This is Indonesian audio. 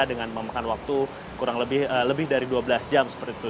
dengan memakan waktu kurang lebih dari dua belas jam seperti itu